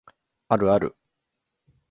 あるある